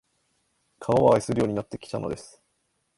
川を愛するようになってきたのです